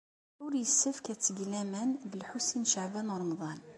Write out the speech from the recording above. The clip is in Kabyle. Ur yessefk ad teg laman deg Lḥusin n Caɛban u Ṛemḍan.